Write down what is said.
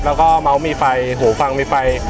แล้วก็เมาส์มีไฟหูฟังมีไฟ